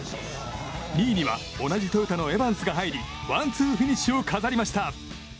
２位には同じトヨタのエバンスが入りワンツーフィニッシュを飾りました！